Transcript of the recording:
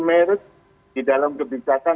merit di dalam kebijakan